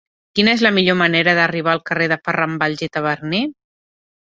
Quina és la millor manera d'arribar al carrer de Ferran Valls i Taberner?